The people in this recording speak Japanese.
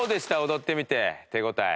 踊ってみて手応え。